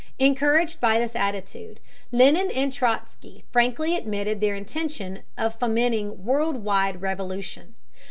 Encouraged by this attitude, Lenin and Trotzky frankly admitted their intention of fomenting world wide revolution.